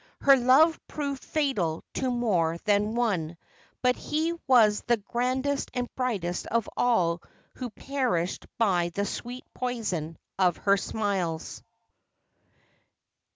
Her love proved fatal to more than one, but he was the grandest and brightest of all who perished by the sweet poison of her smiles.